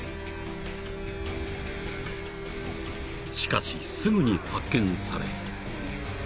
［しかしすぐに発見され］